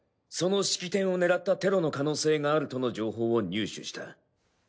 その式典を狙ったテロの可能性があるとの情報を入手した。